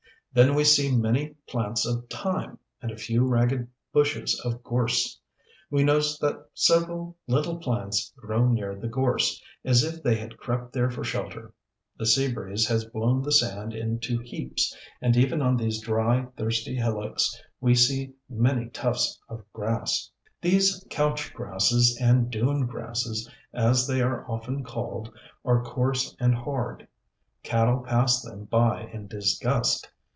Then we see many plants of Thyme, and a few ragged bushes of Gorse. We notice that several little plants grow near the Gorse, as if they had crept there for shelter. The sea breeze has blown the sand into heaps, and even on these dry, thirsty hillocks we see many tufts of grass. [Illustration: 1. THE COMMON LOBSTER. 2. HERMIT CRAB.] These Couch Grasses and Dune Grasses, as they are often called, are coarse and hard. Cattle pass them by in disgust.